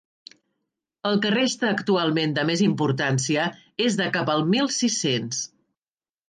El que resta actualment de més importància és de cap al mil sis-cents.